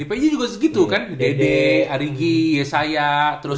di pj juga segitu kan dede arigi yesaya terus